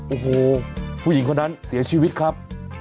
โอ้โหผู้หญิงคนนั้นเสียชีวิตครับ